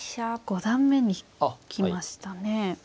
五段目に引きましたね。